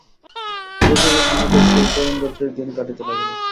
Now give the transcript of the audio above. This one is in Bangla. এইভাবেই আমাদের সেই তরুণ দলটির দিন কাটিতে লাগিল।